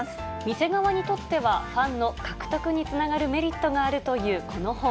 店側にとってはファンの獲得につながるメリットがあるというこの本。